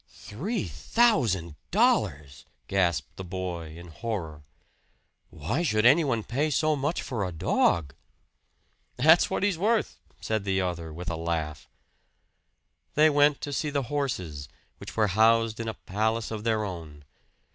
"Three thousand dollars!" gasped the boy in horror. "Why should anyone pay so much for a dog?" "That's what he's worth," said the other with a laugh. They went to see the horses, which were housed in a palace of their own.